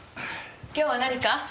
今日は何か？